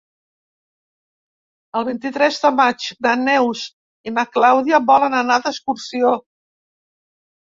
El vint-i-tres de maig na Neus i na Clàudia volen anar d'excursió.